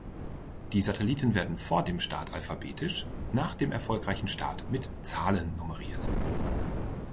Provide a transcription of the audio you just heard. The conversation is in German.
Die Satelliten werden vor dem Start alphabetisch, nach dem erfolgreichen Start mit Zahlen nummeriert.